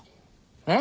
えっ？